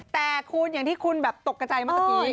แต่คุณอย่างที่คุณตกกระจายมาสักที